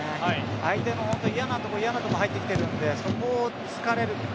相手の嫌な所嫌な所に入ってきているのでそこを突かれる。